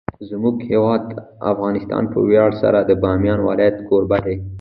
زموږ هیواد افغانستان په ویاړ سره د بامیان ولایت کوربه دی.